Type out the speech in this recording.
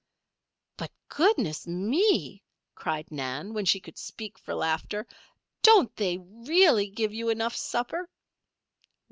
"But goodness me!" cried Nan, when she could speak for laughter. "Don't they really give you enough supper?"